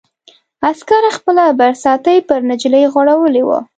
عسکر خپله برساتۍ پر نجلۍ غوړولې وه.